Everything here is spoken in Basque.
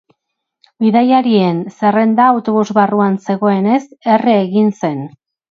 Bidaiarien zerrenda autobus barruan zegoenez, erre egin zen.